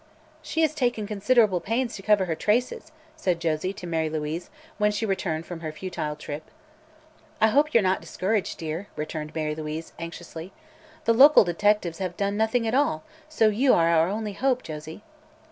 "She has taken considerable pains to cover her traces," said Josie to Mary Louise, when she returned from her futile trip. "I hope you're not discouraged, dear," returned Mary Louise anxiously. "The local detectives have done nothing at all, so you are our only hope, Josie."